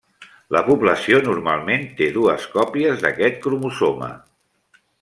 La població normalment té dues còpies d'aquest cromosoma.